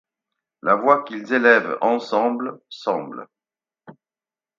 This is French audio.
La voix qu'ils élèvent ensemble Semble